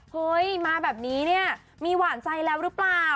เฮ้ยมาแบบนี้เนี่ยมีหวานใจแล้วหรือเปล่า